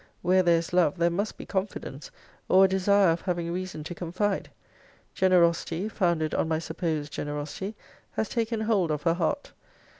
Where there is love there must be confidence, or a desire of having reason to confide. Generosity, founded on my supposed generosity, has taken hold of her heart.